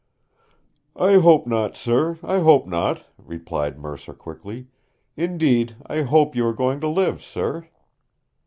"I hope not, sir, I hope not," replied Mercer quickly. "Indeed, I hope you are going to live, sir."